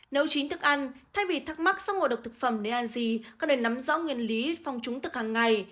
nấu chính thức ăn thay vì thắc mắc sống ngộ độc thực phẩm nên ăn gì cần phải nắm rõ nguyên lý phòng chúng thực hàng ngày